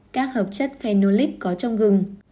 các hợp chất phenolic có trong gừng